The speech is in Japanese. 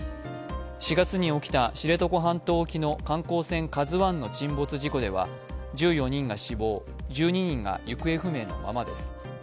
４月に起きた知床半島沖の「ＫＡＺＵⅠ」の沈没事故では１４人が死亡、１２人が行方不明のままです。